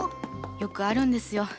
よくあるんですよ。